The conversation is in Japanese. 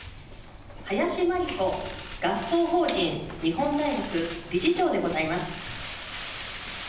林真理子学校法人日本大学理事長でございます。